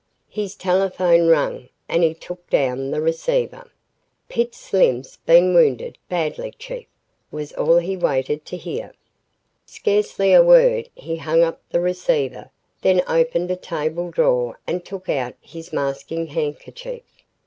His telephone rang and he took down the receiver. "Pitts Slim's been wounded badly Chief," was all he waited to hear. With scarcely a word, he hung up the receiver, then opened a table drawer and took out his masking handkerchief.